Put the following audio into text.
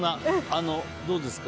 どうですか？